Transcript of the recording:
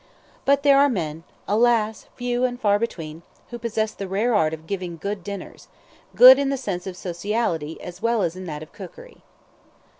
But there are men alas! few and far between who possess the rare art of giving good dinners good in the sense of sociality as well as in that of cookery.